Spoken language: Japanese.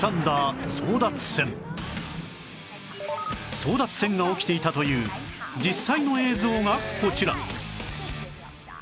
争奪戦が起きていたという実際の映像がこちら